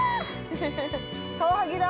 カワハギだ。